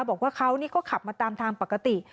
บอกว่าเขาก็ขับมาตามทางปกติ